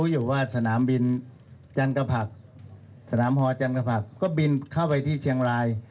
อยู่ว่าสนามบินจันกระผักสนามฮอจันกระผักก็บินเข้าไปที่เชียงราย